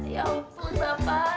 ya ampun bapak